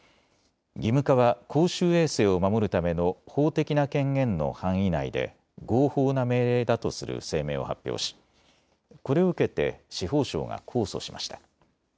義務化は公衆衛生を守るための法的な権限の範囲内で合法な命令だとする声明を発表しこれを受けて司法省が控訴しました。